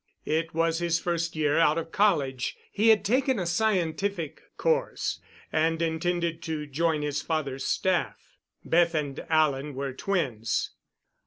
It was his first year out of college. He had taken a scientific course and intended to join his father's staff. Beth and Alan were twins.